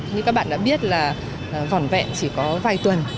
như các bạn đã biết là vỏn vẹn chỉ có vài tuần